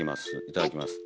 いただきます。